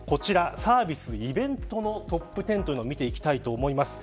サービス、イベントのトップ１０を見ていきたいと思います。